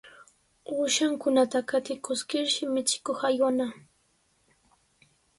Uushankunata qatikuskirshi michikuq aywanaq.